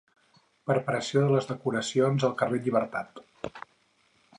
Preparació de les decoracions al carrer Llibertat.